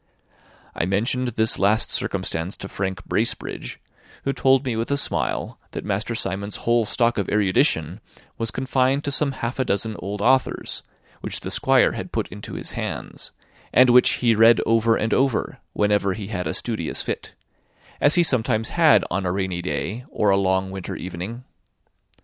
I mentioned this last circumstance to Frank Bracebridge, who told me with a smile that Master Simon's whole stock of erudition was confined to some half a dozen old authors, which the Squire had put into his hands, and which he read over and over, whenever he had a studious fit; as he sometimes had on a rainy day, or a long winter evening.